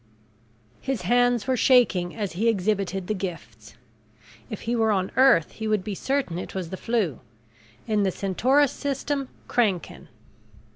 _ His hands were shaking as he exhibited the gifts. If he were on Earth, he would be certain it was the flu; in the Centaurus system, kranken.